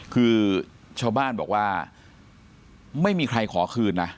คือชาวบ้านบอกว่าไม่มีใครขอคืนนะ